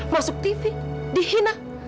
masuk tv dihina